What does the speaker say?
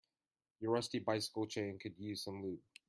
Your rusty bicycle chain could use some lube.